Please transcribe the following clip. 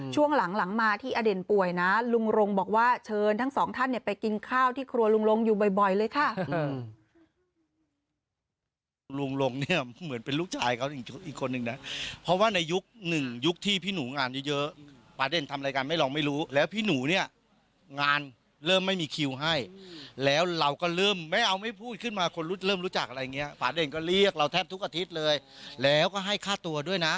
ช่วงหลังมาที่อเด่นป่วยนะลุงรงบอกว่าเชิญทั้งสองท่านไปกินข้าวที่ครัวลุงลงอยู่บ่อยเลยค่ะ